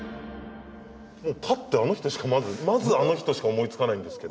パッてあの人しかまずまずあの人しか思いつかないんですけど。